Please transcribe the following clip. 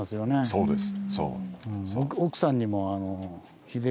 そうです！